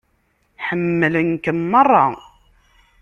Ḥemmlen-kem meṛṛa.